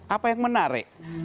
apa yang menarik